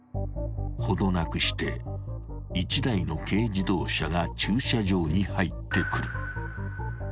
［ほどなくして１台の軽自動車が駐車場に入ってくる］